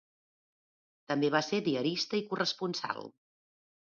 També va ser diarista i corresponsal.